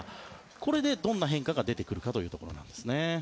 これでどんな変化が出てくるかというところですね。